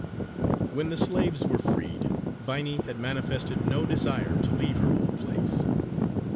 When the slaves were freed, Viney had manifested no desire to leave her old place.